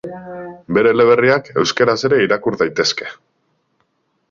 Bere eleberriak euskaraz ere irakur daitezke.